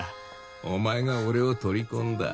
お前が俺を取り込んだ。